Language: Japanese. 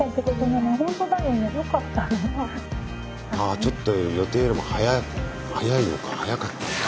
ちょっと予定よりも早いのか早かったのか。